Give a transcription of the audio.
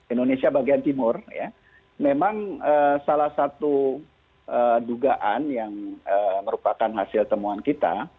indonesia bagian timur memang salah satu dugaan yang merupakan hasil temuan kita